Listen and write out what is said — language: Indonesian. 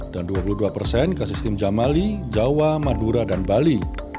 dan dua puluh dua ke sistem jamali jawa madura dan bali